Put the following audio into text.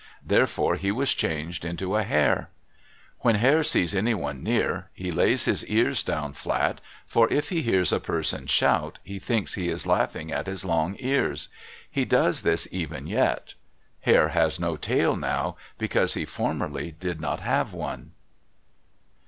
Therefore he was changed into a hare. When Hare sees anyone near, he lays his ears down flat, for if he hears a person shout he thinks he is laughing at his long ears. He does this even yet. Hare has no tail now because he formerly did not have one.